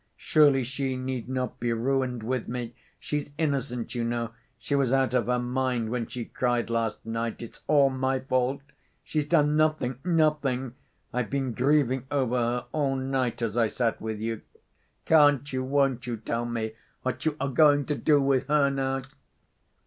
Surely she need not be ruined with me? She's innocent, you know, she was out of her mind when she cried last night 'It's all my fault!' She's done nothing, nothing! I've been grieving over her all night as I sat with you.... Can't you, won't you tell me what you are going to do with her now?"